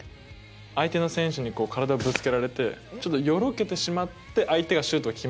相手の選手にこう体ぶつけられてちょっとよろけてしまって相手がシュートを決めたんですよ。